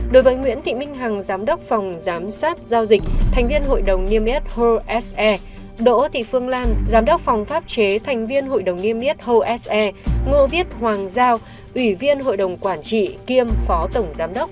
đối với nguyễn thị minh hằng giám đốc phòng giám sát giao dịch thành viên hội đồng niêm yết hose đỗ thị phương lan giám đốc phòng pháp chế thành viên hội đồng niêm yết hose ngô viết hoàng giao ủy viên hội đồng quản trị kiêm phó tổng giám đốc